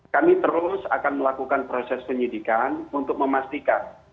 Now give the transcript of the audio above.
kami terus akan melakukan proses penyidikan untuk memastikan